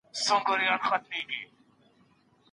تېر وخت یوه تېره شوې کیسه ده.